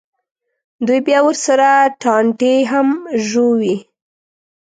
دوی بیا ورسره ټانټې هم ژووي.